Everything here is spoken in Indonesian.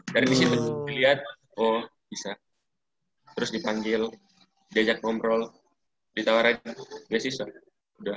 dari di situ dilihat oh bisa terus dipanggil diajak ngobrol ditawarin gak sih sob udah